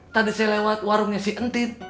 tadi saya lewat warungnya si entit